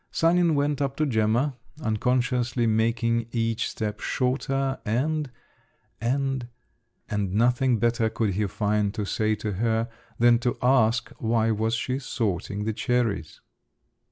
Sanin went up to Gemma, unconsciously making each step shorter, and … and … and nothing better could he find to say to her than to ask why was she sorting the cherries.